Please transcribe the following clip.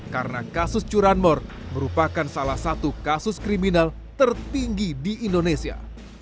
karena kasus curanmor merupakan salah satu kasus kriminal tertinggi di indonesia